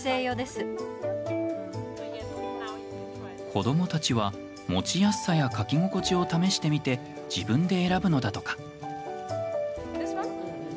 子どもたちは、持ちやすさや書き心地を試してみて自分で選ぶのだとか。